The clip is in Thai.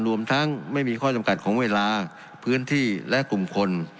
รวมทั้งไม่มีข้อจำกัดของเวลาพื้นที่และกลุ่มคน